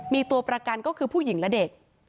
มีตัวประกันก็คือผู้หญิงและเด็ก